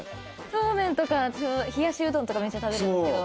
そうめんとか冷やしうどんとかめっちゃ食べるんですけど。